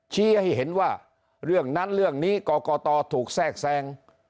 ชี้ให้เห็นว่าเรื่องนั้นเรื่องนี้กรกตถูกแทรกแทรง